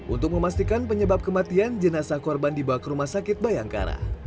untuk memastikan penyebab kematian jenazah korban dibawa ke rumah sakit bayangkara